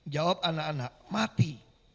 jawab anak anak mati